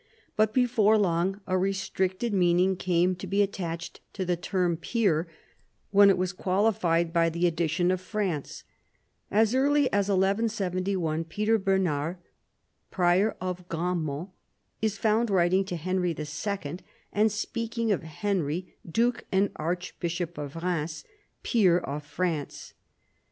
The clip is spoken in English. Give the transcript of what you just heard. But before long a restricted meaning came to be attached to the term peer when it was qualified by the addition of France. As early as 1171 Peter Bernard, prior of Grandmont, is found writing to Henry II. and speaking of Henry, duke and archbishop of Bheims, peer of France.